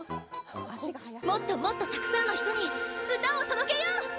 もっともっとたくさんの人に歌を届けよう！